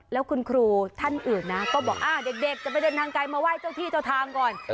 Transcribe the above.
แล้วคุณครูท่านอื่นนะก็บอกเด็กจะไปเดินทางไกลมาไหว้เจ้าที่เจ้าทางก่อน